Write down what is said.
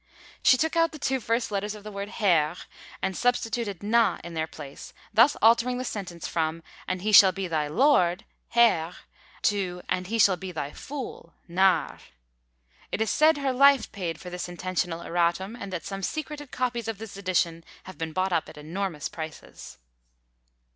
She took out the two first letters of the word HERR, and substituted NA in their place, thus altering the sentence from "and he shall be thy LORD" (Herr), to "and he shall be thy FOOL" (Narr). It is said her life paid for this intentional erratum; and that some secreted copies of this edition have been bought up at enormous prices.